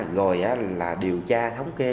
rồi là điều tra thống kê